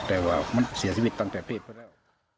แต่ว่ามันเสียชีวิตตั้งแต่พี่เขาแล้ว